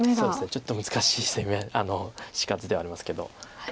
ちょっと難しい死活ではありますけど。